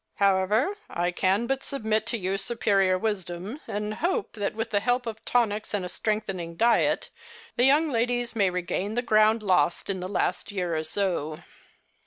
However, I can but submit to your superior wisdom, and hope that with the help of tonics and a strengthening diet the young ladies may regain the ground lost in the last year or so."